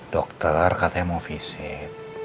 dokter katanya mau visit